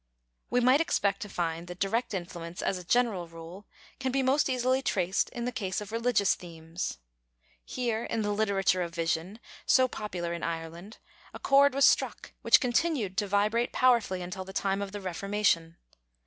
We might expect to find that direct influence, as a general rule, can be most easily traced in the case of religious themes. Here, in the literature of vision, so popular in Ireland, a chord was struck which continued to vibrate powerfully until the time of the Reformation.